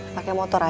iya ya udah tuh pi